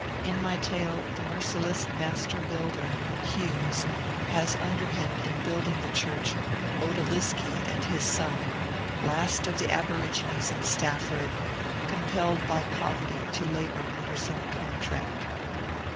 In my tale the merci less master builder (^^ Hughes ") has under him in building the church ^^ Outaliski " and his son, last of the aborigines in Stafford, compelled by poverty to labour under some contract.